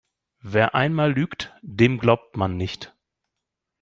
Wer einmal lügt, dem glaubt man nicht.